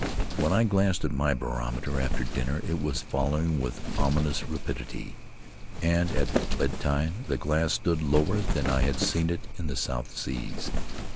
When I glanced at my barometer after dinner, it was falling with ominous rapidity, and at bedtime the glass stood lower than I had seen it in the South Seas.